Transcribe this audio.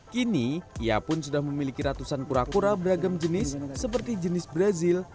kini ia pun sudah memiliki ratusan kura kura beragam jenis seperti jenis brazil